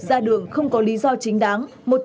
ra đường không có lý do chính đáng